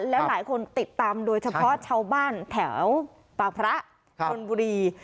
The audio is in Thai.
แล้วหลายคนติดตามโดยเฉพาะชาวบ้านแถวปากพระธนบุรี